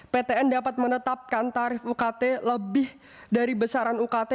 ptn dapat menetapkan tarif ukt lebih dari besaran ukt